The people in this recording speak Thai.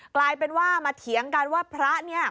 กลายเป็นว่ามาเถียงกันว่าพระเนี่ย